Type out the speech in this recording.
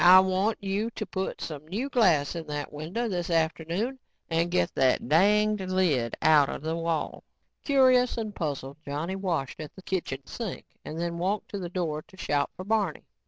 I want you to put some new glass in that window this afternoon and get that danged lid outta the wall." Curious and puzzled, Johnny washed at the kitchen sink and then walked to the door to shout for Barney.